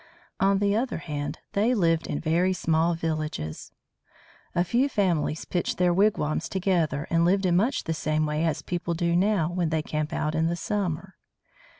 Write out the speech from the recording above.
On the other hand, they lived in very small villages. A few families pitched their wigwams together and lived in much the same way as people do now when they camp out in the summer.